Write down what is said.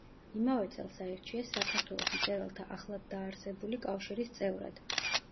იმავე წელს აირჩიეს საქართველოს მწერალთა ახლადდაარსებული კავშირის წევრად.